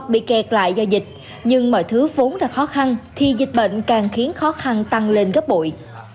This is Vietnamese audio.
bị kẹt lại do dịch nhưng mọi thứ vốn là khó khăn thì dịch bệnh càng khiến khó khăn tăng lên gấp bội